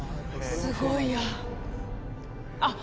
すごいやあっ